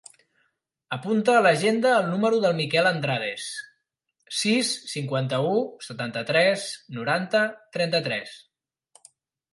Apunta a l'agenda el número del Miquel Andrades: sis, cinquanta-u, setanta-tres, noranta, trenta-tres.